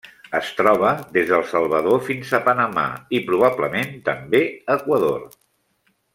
Es troba des del Salvador fins a Panamà i, probablement també, Equador.